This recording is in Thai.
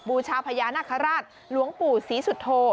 บูชาพญานาคาราชหลวงปู่ศรีสุโธ